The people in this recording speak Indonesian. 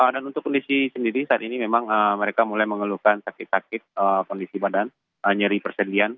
dan untuk kondisi sendiri saat ini memang mereka mulai mengeluhkan sakit sakit kondisi badan nyeri persediaan